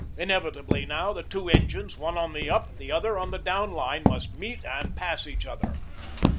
Inevitably now the two engines, one on the up, the other on the down line, must meet and pass each other.